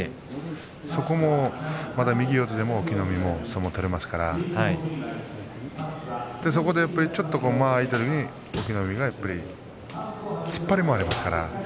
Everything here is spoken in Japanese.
そこもまた、右四つで隠岐の海も相撲を取れますからそこでちょっと間が空いたときに隠岐の海、やっぱり突っ張りもありますから。